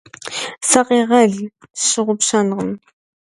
Сакъегъэл, сщыгъупщэнкъым.